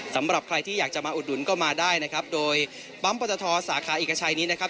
สำหรับใครที่อยากจะมาอุดหนุนก็มาได้นะครับโดยปั๊มปตทสาขาเอกชัยนี้นะครับ